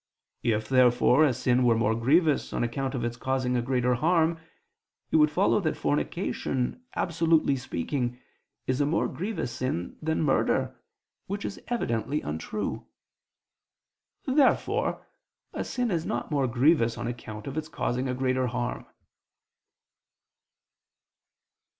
If therefore a sin were more grievous on account of its causing a greater harm, it would follow that fornication, absolutely speaking, is a more grievous sin than murder, which is evidently untrue. Therefore a sin is not more grievous on account of its causing a greater harm.